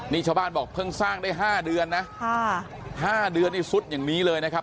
นี่ชาวบ้านบอกเพิ่งสร้างได้๕เดือนนะ๕เดือนนี่สุดอย่างนี้เลยนะครับ